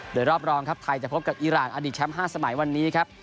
โดยรอบรองครับไทยจะพบกับอีรานอดีตแชมป์๕สมัยวันนี้ครับ